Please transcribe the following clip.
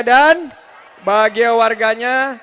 dan bagi warganya